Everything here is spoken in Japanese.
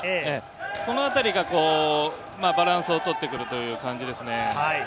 このあたりがバランスを取ってくるという感じですね。